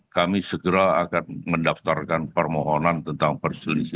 kami segera akan mendaftarkan permohonan tentang perselisihan